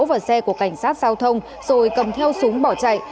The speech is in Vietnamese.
vào xe của cảnh sát giao thông rồi cầm theo súng bỏ chạy